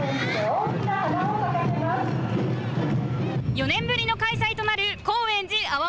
４年ぶりの開催となる高円寺阿波